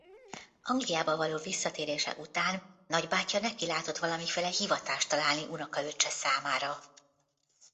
Angliába való visszatérése után nagybátyja nekilátott valamiféle hivatást találni unokaöccse számára.